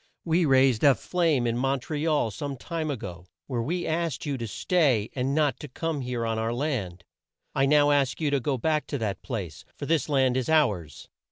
We raised a flame in Mon tre al some time a go, where we asked you to stay and not to come here on our land. I now ask you to go back to that place, for this land is ours.